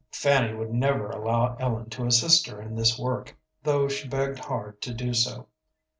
Fanny would never allow Ellen to assist her in this work, though she begged hard to do so.